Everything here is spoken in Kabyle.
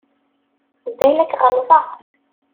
Balak ɣelḍeɣ.